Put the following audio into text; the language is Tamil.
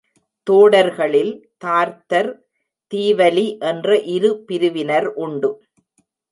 தோடர்களில் தார்த்தர், தீவலி என்ற இரு பிரிவினர் உண்டு.